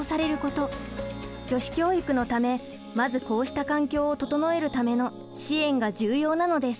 女子教育のためまずこうした環境を整えるための支援が重要なのです。